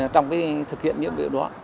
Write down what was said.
trong thực hiện nhiệm vụ đó